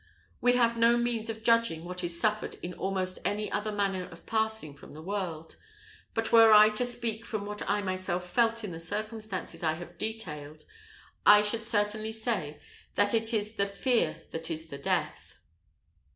We have no means of judging what is suffered in almost any other manner of passing from the world; but were I to speak from what I myself felt in the circumstances I have detailed, I should certainly say that it is the fear that is the death.